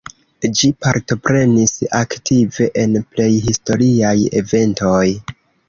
Ĝi partoprenis aktive en plej historiaj eventoj.